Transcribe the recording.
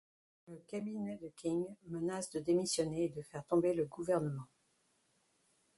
Le cabinet de King menace de démissionner et de faire tomber le gouvernement.